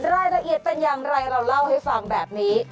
รายละเอียดเป็นอย่างไรเราเล่าให้ฟังแบบนี้